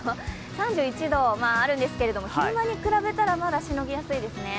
３１度あるんですけど、昼間に比べたらまだしのぎやすいですね。